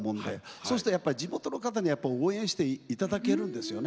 そうするとやっぱり地元の方に応援していただけるんですよね。